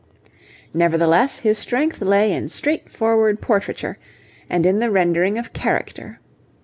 Nevertheless, his strength lay in straightforward portraiture, and in the rendering of character.